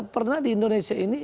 pernah di indonesia ini